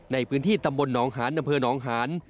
ในพื้นที่ตำบลหนองหานอำเภอหนองหาน